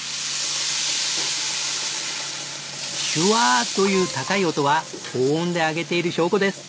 シュワーという高い音は高温で揚げている証拠です。